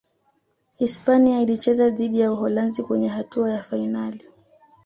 hispania ilicheza dhidi ya Uholanzi kwenye hatua ya fainali